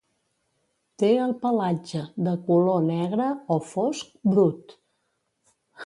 Té el pelatge de color negre o fosc brut.